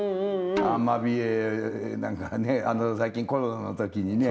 アマビエなんかね最近コロナの時にね。